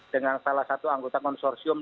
dengan salah satu anggota konsorsium